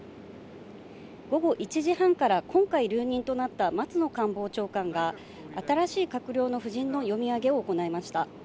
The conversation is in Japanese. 午後１時半から、今回留任となった松野官房長官が、新しい閣僚の布陣の読み上げを行いました。